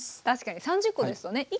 確かに３０コですとね